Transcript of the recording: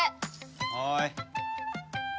はい。